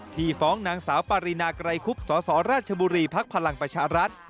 ที่ฟ้องนางสาวปารินากรายคุปสรชปพลังประชารัฐ